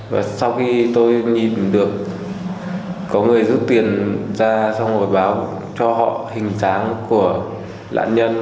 và sau khi tôi nhìn được có người rút tiền ra xong rồi báo cho họ hình dáng của lãn nhân